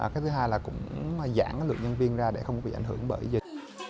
cái thứ hai là cũng giảm lượng nhân viên ra để không bị ảnh hưởng bởi dịch